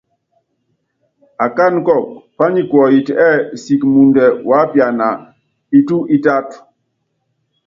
Akání kɔkɔ, pányikuɔyiti ɛ́ɛ siki muundɛ wuápiana itu itátɔ́.